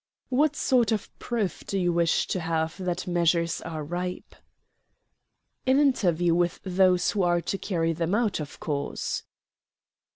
What sort of proof do you wish to have that measures are ripe?" "An interview with those who are to carry them out, of course."